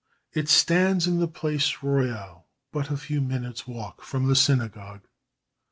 It stands in the Place Royale but a few minutes' walk from the synagogue.